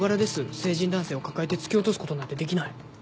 成人男性を抱えて突き落とすことなんてできない。